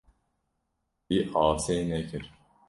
Wî asê nekir.